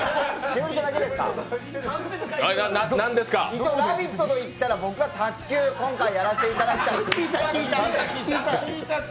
一応「ラヴィット！」といったら僕が卓球、今回やらせていただきたい。